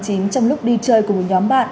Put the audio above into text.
trong lúc đi chơi cùng một nhóm bạn